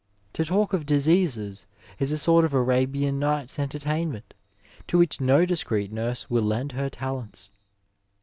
To talk of diseases is a sort of Arabian Nights' entertainment to which no discreet nurse will lend her talents.